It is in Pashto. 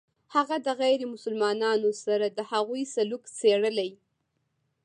هغه د غیر مسلمانانو سره د هغوی سلوک څېړلی.